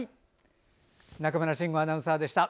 中村慎吾アナウンサーでした。